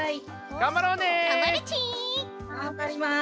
がんばります！